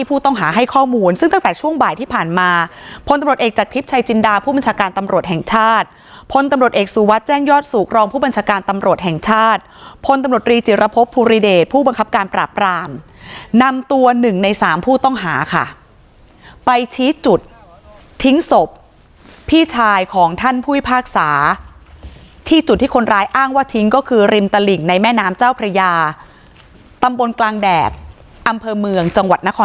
พลตำรวจเอกสุวัตรแจ้งยอดสู่กรองผู้บัญชาการตำรวจแห่งชาติผลตำรวจรีจีรพพฤษฐพูดเรียนผู้บังคับการประปรามนำตัวหนึ่งใน๓ผู้ต้องหาค่ะไปชี้จุดทิ้งศพพี่ชายของท่านพุทธภาคศาสตร์ที่จุดที่คนร้ายอ้างว่าทิ้งก็คือริมตลิ่งในแม่น้ำเจ้าพระยาตำบลกลางแดดอำเภอเมืองจ